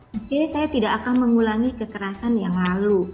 saya tidak akan mengulangi kekerasan yang lalu